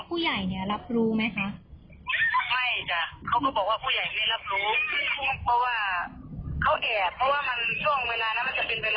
ก็บอกว่าผู้ใหญ่รับรู้เพราะว่าแล้วใช่ปุ๊บ